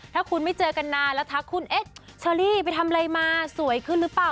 ถ้าคุณไม่เจอกันนานแล้วทักคุณเอ๊ะเชอรี่ไปทำอะไรมาสวยขึ้นหรือเปล่า